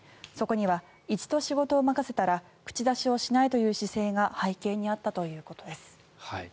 そこには一度仕事を任せたら口出しをしないという姿勢が背景にあったといいます。